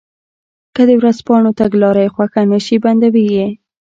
که د ورځپاڼو تګلاره یې خوښه نه شي بندوي یې.